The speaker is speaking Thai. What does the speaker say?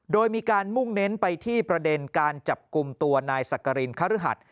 โดยมีการมุ่งเน้นไปที่ประเด็นการจับกลุ่มตัวนายสักกรินคฤหัส